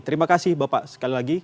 terima kasih bapak sekali lagi